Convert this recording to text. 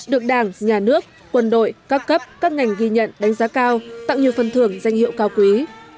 được đảng nhà nước quân đội các cấp các ngành ghi nhận đánh giá cao tặng nhiều phần thưởng danh hiệu cao quý